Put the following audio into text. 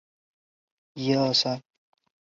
窄额滑虾蛄为虾蛄科滑虾蛄属下的一个种。